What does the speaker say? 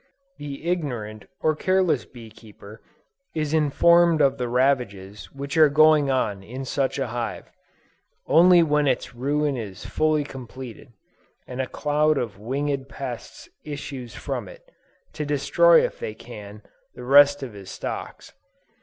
The ignorant or careless bee keeper is informed of the ravages which are going on in such a hive, only when its ruin is fully completed, and a cloud of winged pests issues from it, to destroy if they can, the rest of his stocks.